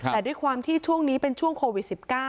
แต่ด้วยความที่ช่วงนี้เป็นช่วงโควิด๑๙